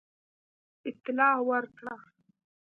اطلاع ورکړه.